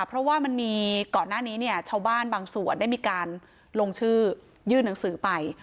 เพราะว่ามันมีก่อนหน้านี้เนี่ยชาวบ้านบางส่วนได้มีการลงชื่อยื่นหนังสือไป